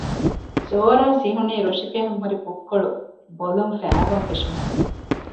ޒޯރާ ސިހުނީ ރޮށިފިހަން ހުރި ފުށްކޮޅު ބޮލުން ފައިބަން ފެށުމުން